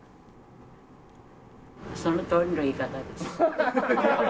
そのとおりの言い方です。